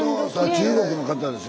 中国の方です。